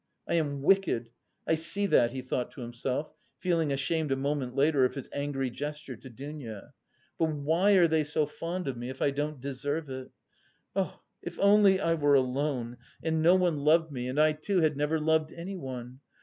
"I am wicked, I see that," he thought to himself, feeling ashamed a moment later of his angry gesture to Dounia. "But why are they so fond of me if I don't deserve it? Oh, if only I were alone and no one loved me and I too had never loved anyone!